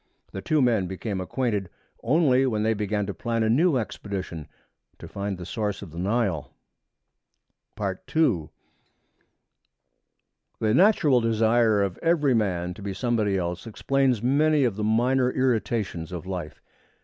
The two men became acquainted only when they began to plan a new expedition to find the source of the Nile. II The natural desire of every man to be somebody else explains many of the minor irritations of life.